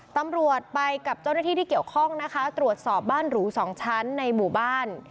ตำรวจไปกับเจ้าหน้าที่ที่เกี่ยวข้องนะคะตรวจสอบบ้านหรูสองชั้นในหมู่บ้าน